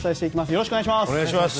よろしくお願いします。